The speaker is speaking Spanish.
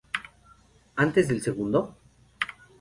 Antes del segundo?